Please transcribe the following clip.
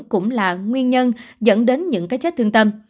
cũng là nguyên nhân dẫn đến những cái chết thương tâm